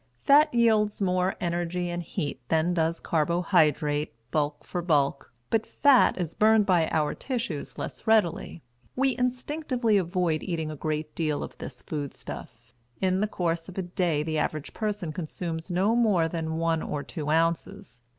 Fat yields more energy and heat than does carbohydrate, bulk for bulk; but fat is burned by our tissues less readily. We instinctively avoid eating a great deal of this food stuff; in the course of a day the average person consumes no more than one or two ounces.